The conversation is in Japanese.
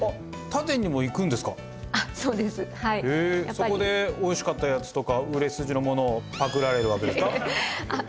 そこでおいしかったやつとか売れ筋のものをパクられるわけですか？